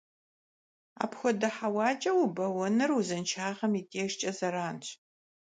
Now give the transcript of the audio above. Апхуэдэ хьэуакӀэ убэуэныр узыншагъэм и дежкӀэ зэранщ.